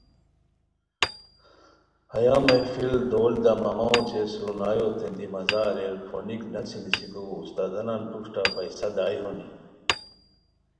ہیہ محفل دول، دمامہ اوچے سرنایوتین دی مزہ اریر، پھونیک نسی نیسیکو استادانان پروشٹہ پیسہ دائے ہونی